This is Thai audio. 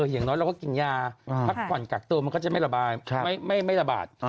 อย่างน้อยเราก็กินยาพักขวั่นกักเติมมันก็จะไม่ระบาด